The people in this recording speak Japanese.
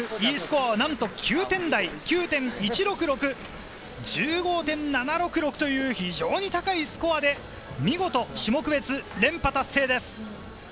Ｄスコア６．６、Ｅスコア９点台、９．１６６。１５．７６６という非常に高いスコアで見事、種目別連覇達成です！